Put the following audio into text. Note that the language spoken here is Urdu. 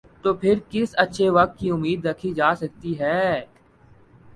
، تو پھر کس اچھے وقت کی امید رکھی جا سکتی ہے ۔